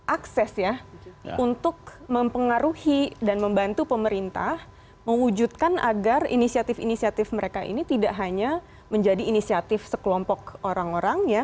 akses ya untuk mempengaruhi dan membantu pemerintah mewujudkan agar inisiatif inisiatif mereka ini tidak hanya menjadi inisiatif sekelompok orang orang ya